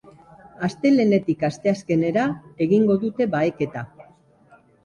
Astelehenetik asteazkenera egingo dute baheketa.